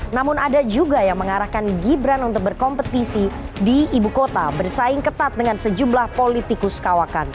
namun ada juga yang mengarahkan gibran untuk berkompetisi di ibu kota bersaing ketat dengan sejumlah politikus kawakan